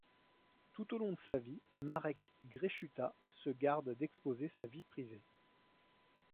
Tout au long de sa vie, Marek Grechuta se garde d'exposer sa vie privée.